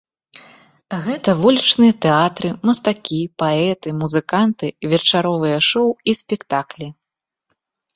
Гэта вулічныя тэатры, мастакі, паэты, музыканты, вечаровыя шоў і спектаклі.